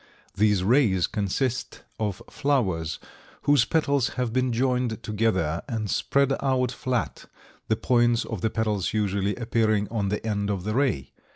These rays consist of flowers, whose petals have been joined together and spread out flat, the points of the petals usually appearing on the end of the ray.